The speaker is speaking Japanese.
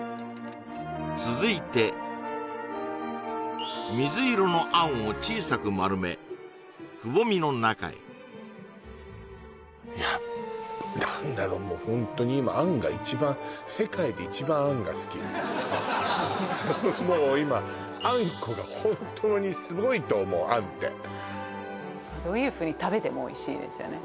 続いて水色のあんを小さく丸めくぼみの中へやっぱ何だろうホントに今あんが一番もう今あんこが本当にすごいと思うあんってどういうふうに食べてもおいしいですよね